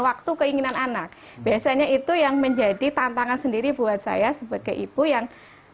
waktu keinginan anak biasanya itu yang menjadi tantangan sendiri buat saya sebagai ibu yang